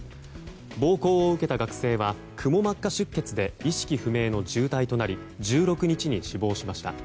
暴行を受けた学生はくも膜下出血で意識不明の重体となり１６日に死亡しました。